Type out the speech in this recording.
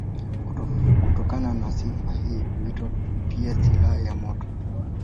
Kutokana na sifa hii huitwa pia silaha ya moto.